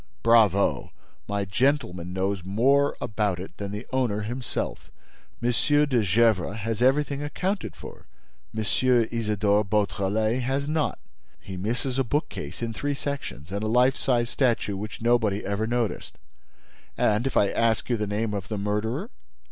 "Bravo! My gentleman knows more about it than the owner himself. M. de Gesvres has everything accounted for: M. Isidore Beautrelet has not. He misses a bookcase in three sections and a life size statue which nobody ever noticed. And, if I asked you the name of the murderer?"